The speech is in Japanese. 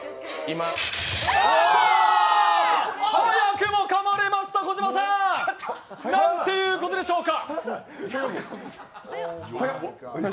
早くもかまれました、小島さん。なんていうことでしょうか！